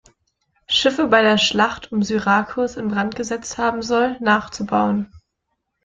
Schiffe bei der Schlacht um Syrakus in Brand gesetzt haben soll, nachzubauen.